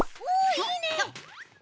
おいいね！